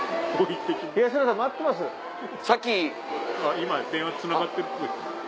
今電話つながってるっぽい。